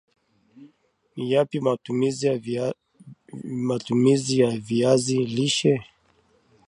Ni Yapi matumizi ya Viazi lishe